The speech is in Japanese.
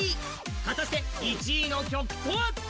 果たして１位の曲とは？